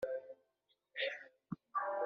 Aqli-ken waḥd-nwen?